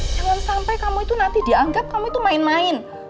jangan sampai kamu itu nanti dianggap kamu itu main main